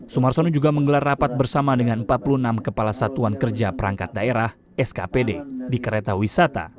sumarsono juga menggelar rapat bersama dengan empat puluh enam kepala satuan kerja perangkat daerah skpd di kereta wisata